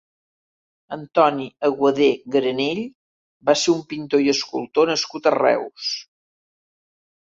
Antoni Aguadé Granell va ser un pintor i escultor nascut a Reus.